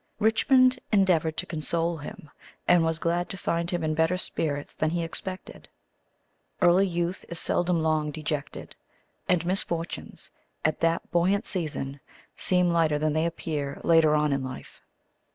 Richmond endeavoured to console him, and was glad to find him in better spirits than he expected. Early youth is seldom long dejected, and misfortunes, at that buoyant season, seem lighter than they appear later on in life.